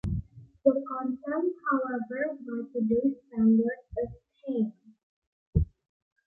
The content, however, by today's standard is tame.